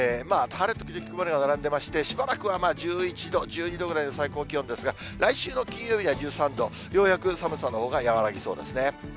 晴れ時々曇りが並んでまして、しばらくは１１度、１２度ぐらいの最高気温ですが、来週の金曜日には１３度、ようやく寒さのほうが和らぎそうですね。